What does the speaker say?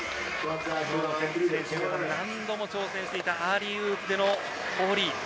何度も挑戦していたアーリーウープのオーリー。